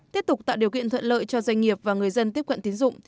tiếp tục tạo điều kiện thuận lợi cho doanh nghiệp và người dân tiếp cận tín dụng